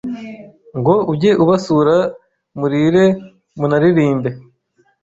Ngo ujye ubasura murire munaririmbe